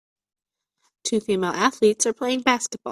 Two female athletes are playing basketball.